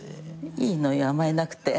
いいのよ甘えなくて。